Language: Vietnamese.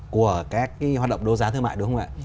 của các hoạt động đấu giá thương mại đúng không ạ